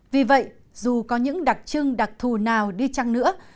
vì vậy dù có những đặc trưng đặc thù nào đi chăng nữa